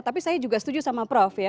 tapi saya juga setuju sama prof ya